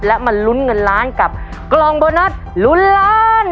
และมาลุ้นเงินล้านกับกล่องโบนัสลุ้นล้าน